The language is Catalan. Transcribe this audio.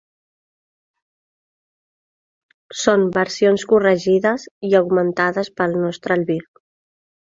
Són versions corregides i augmentades pel nostre albir.